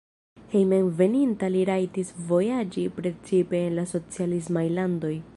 Hejmenveninta li rajtis vojaĝi precipe en la socialismaj landoj.